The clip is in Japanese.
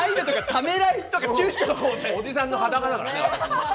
おじさんの裸だからね。